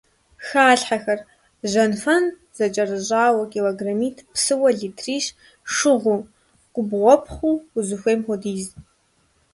Халъхьэхэр: жьэнфэн зэкӀэрыщӀауэ килограммитӏ, псыуэ литрищ, шыгъуу, губгъуэпхъыу — узыхуейм хуэдиз.